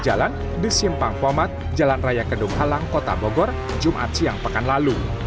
jalan di simpang pomat jalan raya kedung halang kota bogor jumat siang pekan lalu